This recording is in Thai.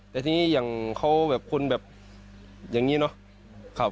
แต่ทีนี้อย่างเขาแบบคนแบบอย่างนี้เนาะ